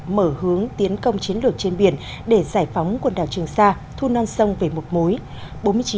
mở hướng tiến công chiến lược trên biển để giải phóng quần đảo trường sa thu non sông về một mối